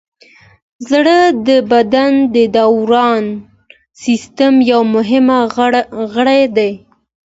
زړه د بدن د دوران سیستم یو مهم غړی دی.